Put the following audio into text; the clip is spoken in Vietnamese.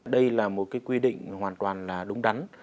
đây là một quy định hoàn toàn đúng đắn